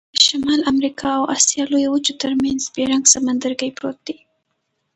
د شمال امریکا او آسیا لویو وچو ترمنځ بیرنګ سمندرګي پروت دی.